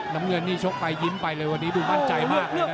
น้ำเงินนี่ชกไปยิ้มไปเลยวันนี้ดูมั่นใจมากเลยนะ